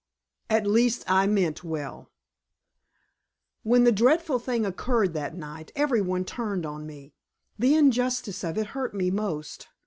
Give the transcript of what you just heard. Chapter I. AT LEAST I MEANT WELL When the dreadful thing occurred that night, every one turned on me. The injustice of it hurt me most.